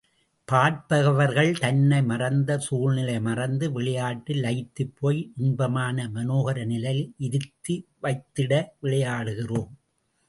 பார்ப்பவர்கள் தன்னை மறந்து, சூழ்நிலை மறந்து, விளையாட்டில் லயித்துப்போய் இன்பமான மனோகர நிலையில் இருத்தி வைத்திட விளையாடுகிறோம்.